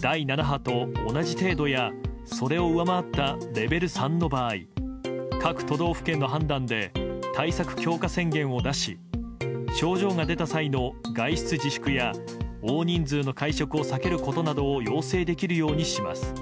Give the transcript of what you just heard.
第７波と同じ程度やそれを上回ったレベル３の場合各都道府県の判断で対策強化宣言を出し症状が出た際の外出自粛や大人数の会食を避けることなどを要請できるようにします。